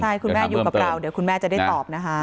ใช่คุณแม่อยู่กับเราเดี๋ยวคุณแม่จะได้ตอบนะคะ